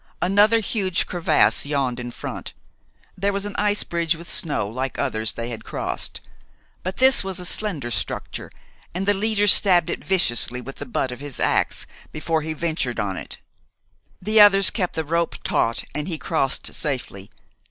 Another huge crevasse yawned in front. There was an ice bridge, with snow, like others they had crossed; but this was a slender structure, and the leader stabbed it viciously with the butt of his ax before he ventured on it. The others kept the rope taut, and he crossed safely.